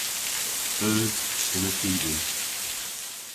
Eus. Yma ki dhis.